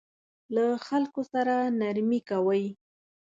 له خلکو سره نرمي کوئ